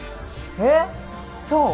えーそう？